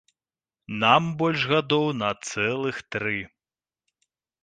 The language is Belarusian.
Нам больш гадоў на цэлых тры.